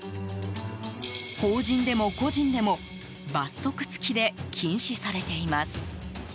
法人でも個人でも罰則付きで禁止されています。